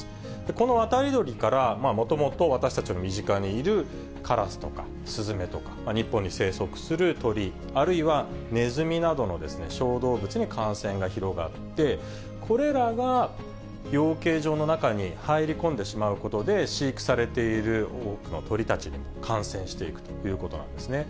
この渡り鳥から、もともと私たちの身近にいるカラスとか、スズメとか、日本に生息する鳥、あるいはネズミなどの小動物に感染が広がって、これらが養鶏場の中に入り込んでしまうことで、飼育されている多くの鳥たちに感染していくということなんですね。